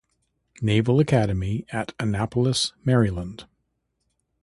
Naval Academy at Annapolis, Maryland.